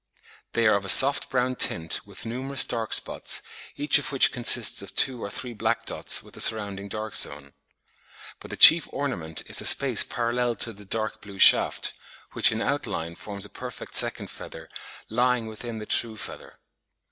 They are of a soft brown tint with numerous dark spots, each of which consists of two or three black dots with a surrounding dark zone. But the chief ornament is a space parallel to the dark blue shaft, which in outline forms a perfect second feather lying within the true feather.